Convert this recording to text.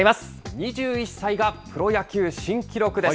２１歳がプロ野球新記録です。